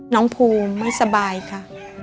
น้องภูมิไม่สบายค่ะ